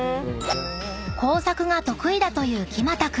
［工作が得意だという木全君］